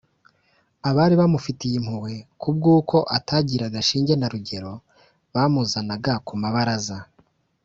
abari bamufitiye impuhwe kubw’uko atagiraga shinge na rugero bamuzanaga ku mabaraza